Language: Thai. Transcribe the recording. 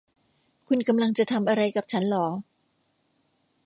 คุณกำลังจะทำอะไรกับฉันหรอ